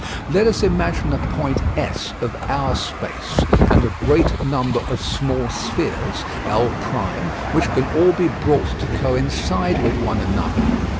Let us imagine a point S of our space, and a great number of small spheres, L', which can all be brought to coincide with one another.